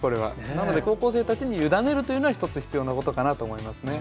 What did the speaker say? なので高校生たちに委ねるということは、一つ必要なことかなと思いますね。